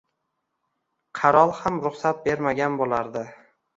Qarol ham ruxsat bermagan bo`lardi